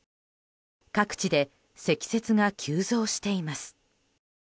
各地で積雪が急増しています。